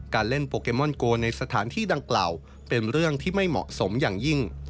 เล่นโปเกมอนโกในสถานที่ดังกล่าวเป็นเรื่องที่ไม่เหมาะสมอย่างยิ่ง